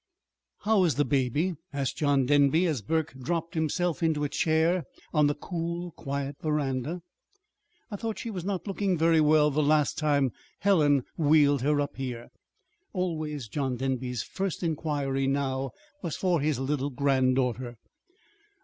"How's the baby?" asked John Denby, as Burke dropped himself into a chair on the cool, quiet veranda. "I thought she was not looking very well the last time Helen wheeled her up here." Always John Denby's first inquiry now was for his little granddaughter.